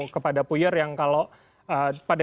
kepada puyer yang kalau pada